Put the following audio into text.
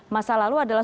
masa lalu adalah